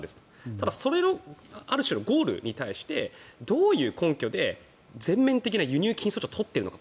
ただ、それのある種のゴールに対してどういう根拠で全面的な輸入禁止措置を取っているのか